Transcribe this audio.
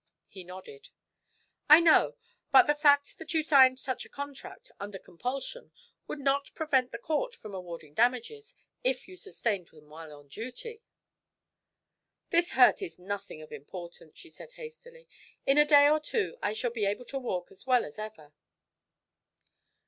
He nodded. "I know. But the fact that you signed such a contract, under compulsion, would not prevent the court from awarding damages, if you sustained them while on duty." "This hurt is nothing of importance," she said hastily. "In a day or two I shall be able to walk as well as ever."